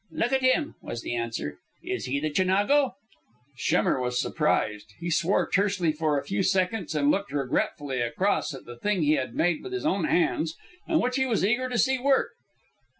"Look at him," was the answer. "Is he the Chinago?" Schemmer was surprised. He swore tersely for a few seconds, and looked regretfully across at the thing he had made with his own hands and which he was eager to see work.